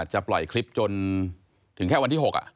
จะปล่อยคลิปจนถึงแค่วันที่๖